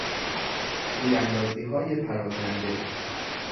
تیراندازیهای پراکنده